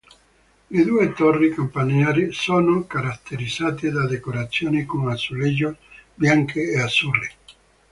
Le due torri campanarie sono caratterizzate da decorazioni con azulejos bianche e azzurri.